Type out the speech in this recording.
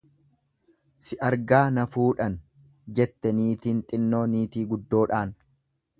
"""Si argaa na fuudhan"" jette niitiin xinnoo niitii guddoodhaan."